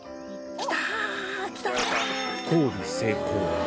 きた！